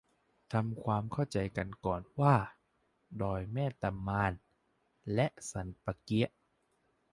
ทำความเข้าใจกันก่อนว่า ดอยแม่ตะมาน และ สันป่าเกี๊ยะ